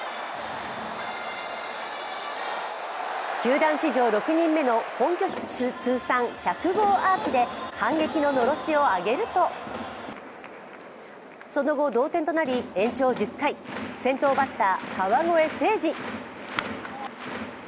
球団史上６人目の本拠地通算１００号アーチで反撃ののろしを上げるとその後、同点となり、延長１０回、先頭バッター・川越誠司。